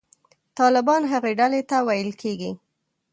طالبان هغې ډلې ته ویل کېږي.